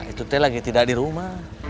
itu t lagi tidak di rumah